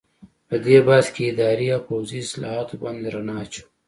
په دې بحث کې اداري او پوځي اصلاحاتو باندې رڼا اچوو.